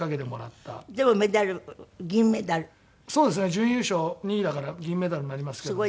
準優勝２位だから銀メダルになりますけどね。